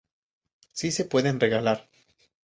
Sí se pueden regalar.